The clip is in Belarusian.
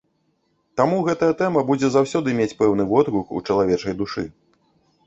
Таму гэтая тэма будзе заўсёды мець пэўны водгук у чалавечай душы.